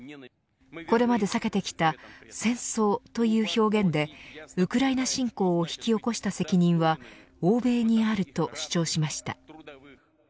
これまで避けてきた戦争という表現でウクライナ侵攻を引き起こした責任は欧米にあると主張しました。